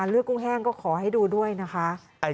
กุ้งแห้งก็ขอให้ดูด้วยนะคะ